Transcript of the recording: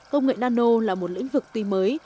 công nghệ nano là một lĩnh vực tuy mới